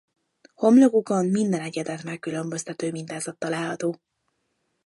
Homlokukon minden egyedet megkülönböztető mintázat található.